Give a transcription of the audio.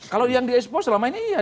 kalau yang di expo selama ini iya